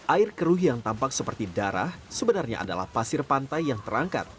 air keruh yang tampak seperti darah sebenarnya adalah pasir pantai yang terangkat